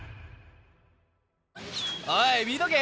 おい、見とけ。